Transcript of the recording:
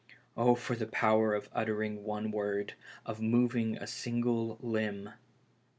Oh, for the power of uttering one word, of moving a single limb!